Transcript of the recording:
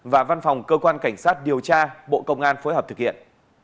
và văn phòng cơ quan cảnh sát điều tra bộ công an phối hợp thực hiện